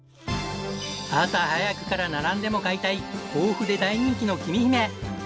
朝早くから並んでも買いたい甲府で大人気のきみひめ！